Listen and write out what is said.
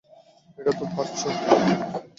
এই তো পারছো!